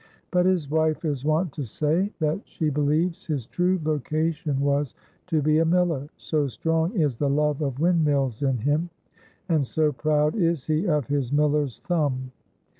But his wife is wont to say that she believes his true vocation was to be a miller, so strong is the love of windmills in him, and so proud is he of his Miller's Thumb.